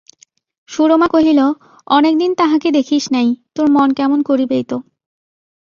সুরমা কহিল, অনেকদিন তাঁহাকে দেখিস নাই, তোর মন কেমন করিবেই তো!